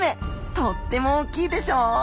とっても大きいでしょ。